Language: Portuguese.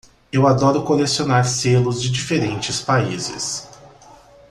Eu adoro colecionar selos de diferentes países.